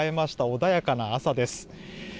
穏やかな朝です。